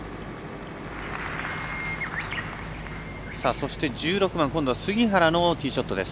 そして１６番、杉原のティーショットです。